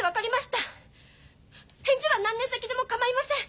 返事は何年先でも構いません。